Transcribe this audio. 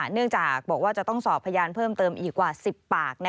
เนื่องจากบอกว่าจะต้องสอบพยานเพิ่มเติมอีกกว่า๑๐ปาก